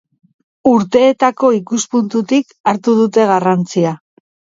Urteetako ikuspuntutik hartu dute garrantzia.